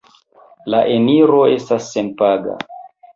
La eniro estas senpaga.